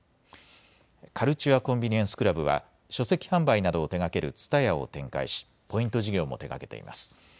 カルチュア・コンビニエンス・クラブは書籍販売などを手がけるＴＳＵＴＡＹＡを展開しポイント事業も手がけています。